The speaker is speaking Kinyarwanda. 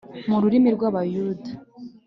mu rurimi rw’Abayuda,